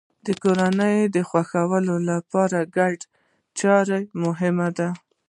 د کورنۍ د خوښۍ لپاره ګډې چارې مهمې دي.